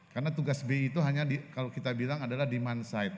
karena tugas bi itu hanya kalau kita bilang adalah demand side